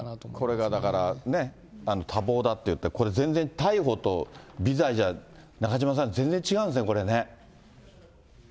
これがだから、ね、多忙だって言って、これ、全然、逮捕と微罪じゃ、なかじまさん、全然違うんですね、これね。